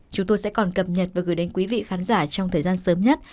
chúng tôi sẽ còn cập nhật và gửi đến quý vị khán giả trong thời gian sớm nhất